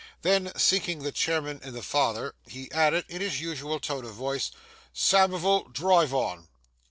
Then, sinking the chairman in the father, he added, in his usual tone of voice: 'Samivel, drive on!